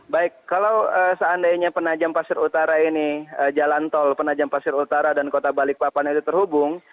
baik kalau seandainya penajam pasir utara ini jalan tol penajam pasir utara dan kota balikpapan itu terhubung